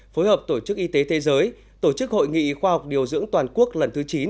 phối hợp tổ chức y tế thế giới tổ chức hội nghị khoa học điều dưỡng toàn quốc lần thứ chín